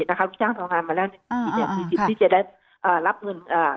รับค่าจ้างทำงานมาแล้วถือเธอมีชีวิตที่จะได้รับเงิน